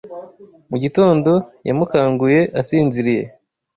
mugitondo yamukanguye asinziriye: